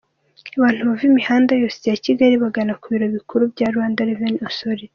Abantu bava imihanda yose ya Kigali bagana ku biro bikuru bya Rwanda Revenue Authority.